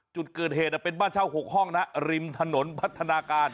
จุดเกิดเหตุเป็นบ้านเช่า๖ห้องนะริมถนนพัฒนาการ